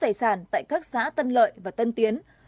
tài sản tại các xã tân lợi và tân tiến